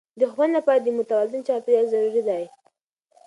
د ښوونې لپاره د متوازن چاپیریال ضروري دی.